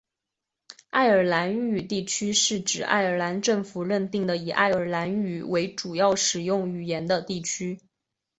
爱尔兰语地区是指爱尔兰政府认定的以爱尔兰语为主要使用语言的地区。